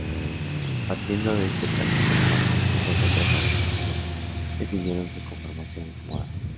Partiendo de este práctico formato, muchas otras agrupaciones definieron su conformación y su moda.